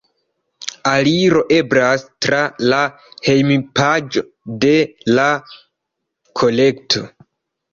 Aliro eblas tra la hejmpaĝo de la kolekto.